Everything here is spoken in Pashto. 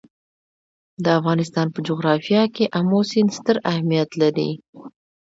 د افغانستان په جغرافیه کې آمو سیند ستر اهمیت لري.